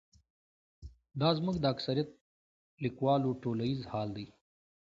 دا زموږ د اکثریت لیکوالو ټولیز حال دی.